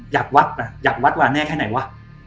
อยากวัดวะแน่แค่ไหนวะ